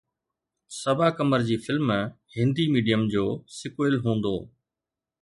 صبا قمر جي film Hindi medium جو sequel هوندو